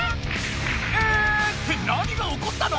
⁉「え⁉」って何がおこったの？